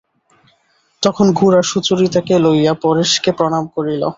তখন গোরা সুচরিতাকে লইয়া পরেশকে প্রণাম করিল।